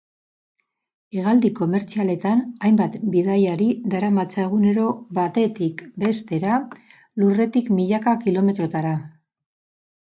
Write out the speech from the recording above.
Hegaldi komertzialetan hainbat bidaiari daramatza egunero batetik bestera, lurretik milaka metrotara.